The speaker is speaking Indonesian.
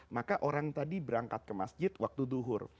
maka orang tadi berangkat ke masjid waktu duhur